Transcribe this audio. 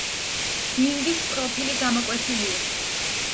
დინგის პროფილი გამოკვეთილია.